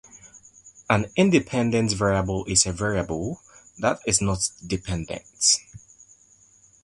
An independent variable is a variable that is not dependent.